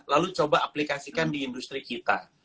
lalu coba aplikasikan di industri kita